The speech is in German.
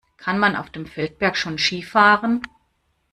Kann man auf dem Feldberg schon Ski fahren?